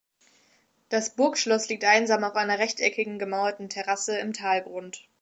Das Burgschloss liegt einsam auf einer rechteckigen, gemauerten Terrasse im Talgrund.